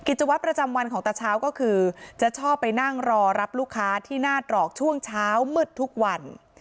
กิจวัตรประจำวันของตาเช้าก็คือจะชอบไปนั่งรอรับลูกค้าที่หน้าตรอกช่วงเช้ามืดทุกวัน